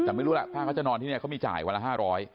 แต่ไม่รู้ล่ะถ้าเขาจะนอนที่นี่เขามีจ่ายวันละ๕๐๐